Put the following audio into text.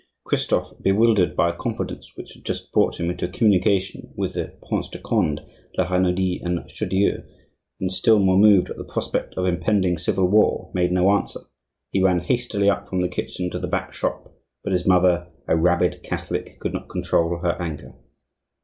Christophe, bewildered by a confidence which had just brought him into communication with the Prince de Conde, La Renaudie, and Chaudieu, and still more moved at the prospect of impending civil war, made no answer; he ran hastily up from the kitchen to the back shop; but his mother, a rabid Catholic, could not control her anger.